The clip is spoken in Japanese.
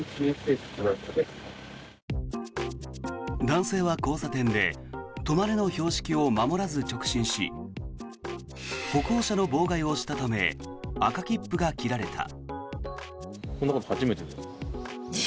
男性は交差点で「止まれ」の標識を守らず直進し歩行者の妨害をしたため赤切符が切られた。